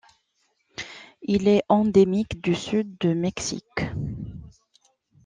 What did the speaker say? Il est endémique du Sud du Mexique.